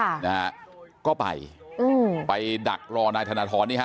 ค่ะนะฮะก็ไปอืมไปดักรอนายธนทรนี่ฮะ